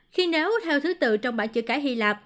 khi nếu theo thứ tự trong bãi chữ cái hy lạp